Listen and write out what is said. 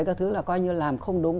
cái thứ là coi như làm không đúng